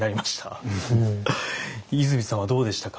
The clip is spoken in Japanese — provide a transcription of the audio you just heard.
伊住さんはどうでしたか？